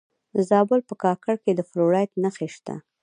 د زابل په کاکړ کې د فلورایټ نښې شته.